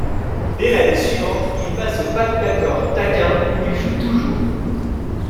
Dès l'année suivante, il passe au Pakhtakor Tachkent où il joue toujours.